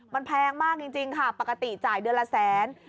มันแพงมากจริงค่ะปกติจ่ายเดือนละแสน